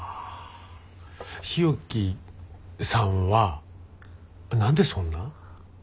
日置さんは何でそんな？